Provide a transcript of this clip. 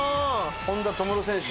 本多灯選手。